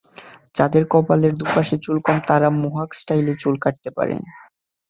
যাঁদের কপালের দুপাশে চুল কম, তাঁরা মোহাক স্টাইলে চুল কাটাতে পারেন।